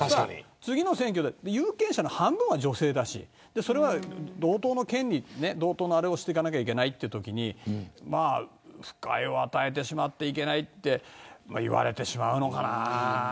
次の選挙で有権者の半分は女性だしそれは同等の権利同等のあれをしていかなきゃいけないというときに不快を与えてしまってはいけないと言われてしまうのかなと。